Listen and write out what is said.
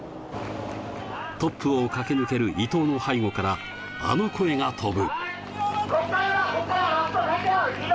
トップを駆け抜ける伊藤の背後から、あの声が飛ぶ。